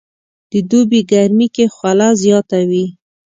د دوبي ګرمي کې خوله زياته وي